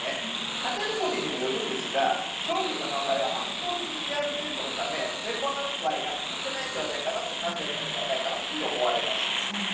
カテゴリーにもよりますが商品の販売は圧倒的にリアル店舗のため店舗販売が欠かせないのではないかと話したと思います。